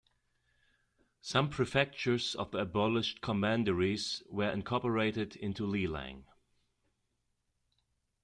Some prefectures of the abolished commanderies were incorporated into Lelang.